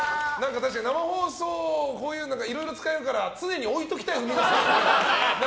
確かに生放送でこういう、いろいろ使えるから常に置いておきたいよね。